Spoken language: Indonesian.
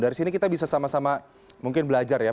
dari sini kita bisa sama sama mungkin belajar ya